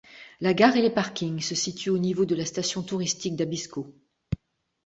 La gare et les parkings se situent au niveau de la station touristique d'Abisko.